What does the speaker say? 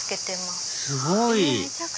すごい！